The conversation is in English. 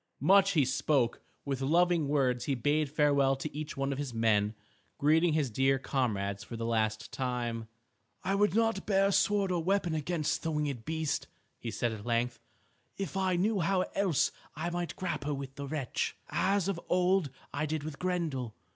Much he spoke. With loving words he bade farewell to each one of his men, greeting his dear comrades for the last time. "I would not bear a sword or weapon against the winged beast," he said at length, "if I knew how else I might grapple with the wretch, as of old I did with Grendel.